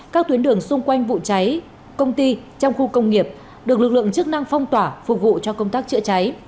các tuyến đường xung quanh vụ cháy công ty trong khu công nghiệp được lực lượng chức năng phong tỏa phục vụ cho công tác chữa cháy